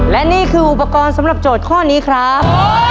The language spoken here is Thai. และนี่คืออุปกรณ์สำหรับโจทย์ข้อนี้ครับ